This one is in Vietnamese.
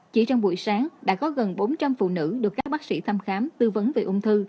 chỉ trong buổi sáng đã có gần bốn trăm linh phụ nữ được các bác sĩ thăm khám tư vấn về ung thư